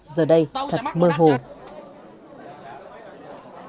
giờ đây thật mơ hồ